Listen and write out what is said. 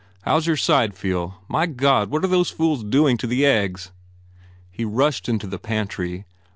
How s your side feel? My God, what are those fools doing to the eggs!" He rushed into the pantry.